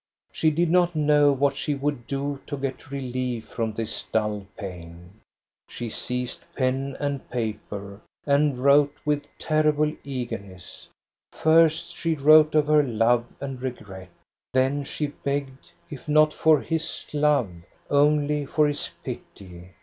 She did not know what she would do to get relief from this dull pain. 1 66 THE STORY OF GO ST A BE RUNG She seized pen and paper and wrote with terrible eagerness. First she wrote of her love and regret. Then she begged, if not for his love, only for his pity.